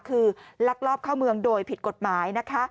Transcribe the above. คือลักลอบเข้าเมืองโดยผิดกฎหมายนะคะ